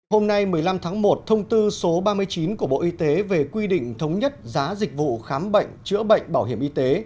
hôm nay một mươi năm tháng một thông tư số ba mươi chín của bộ y tế về quy định thống nhất giá dịch vụ khám bệnh chữa bệnh bảo hiểm y tế